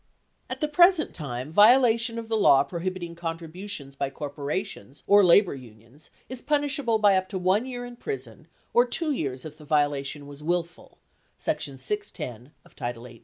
At the present time, violation of the law prohibiting contributions by corporations or labor unions is punishable by up to 1 year in prison or 2 years if the violation was "willful" (section 610 of title 18).